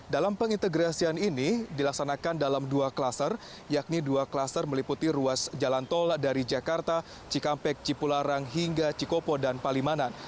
dalam pengintegrasian ini dilaksanakan dalam dua klaster yakni dua klaster meliputi ruas jalan tol dari jakarta cikampek cipularang hingga cikopo dan palimanan